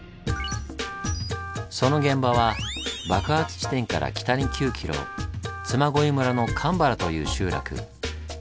その現場は爆発地点から北に９ｋｍ嬬恋村の鎌原という集落。